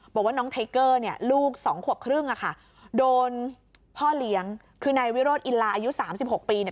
บอกว่าน้องไทเกอร์เนี่ยลูกสองขวบครึ่งอะค่ะโดนพ่อเลี้ยงคือนายวิโรธอินลาอายุสามสิบหกปีเนี่ย